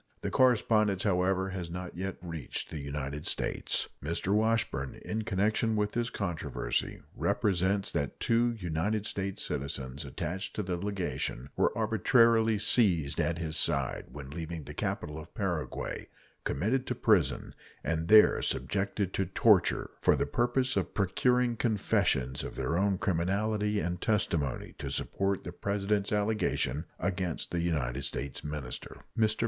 The correspondence, however, has not yet reached the United States. Mr. Washburn, in connection with this controversy, represents that two United States citizens attached to the legation were arbitrarily seized at his side, when leaving the capital of Paraguay, committed to prison, and there subjected to torture for the purpose of procuring confessions of their own criminality and testimony to support the President's allegation against the United States minister. Mr.